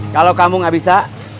kalau kamu gak bisa